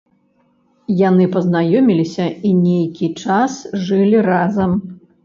Яны пазнаёміліся і нейкі час жылі разам.